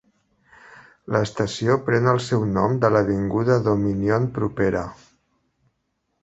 L'estació pren el seu nom de l'avinguda Dominion propera.